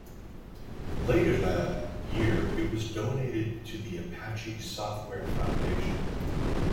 Later that year it was donated to the Apache Software Foundation.